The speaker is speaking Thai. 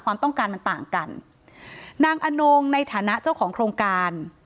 ความต้องการมันต่างกันนางอนงในฐานะเจ้าของโครงการ